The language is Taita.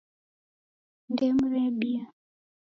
Ndemu rebia.